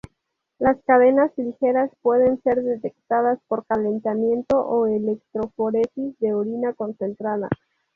Las cadenas ligeras pueden ser detectadas por calentamiento o electroforesis de orina concentrada.